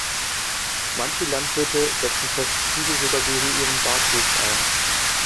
Manche Landwirte setzen Pestizide sogar gegen ihren Bartwuchs ein.